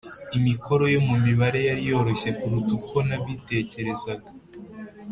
imikoro yo mu mibare yari yoroshye kuruta uko nabitekerezaga.